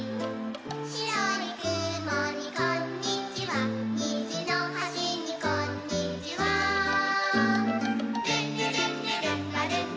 「しろいくもにこんにちはにじのはしにこんにちは」「ルンルルンルルンバルンバ」